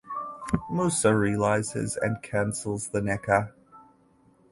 Musa realises and cancels the Nikkah.